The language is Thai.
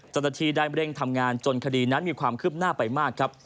จันทดีได้เร่งทำงานจนคดีนั้นมีความคืบหน้าไปมาก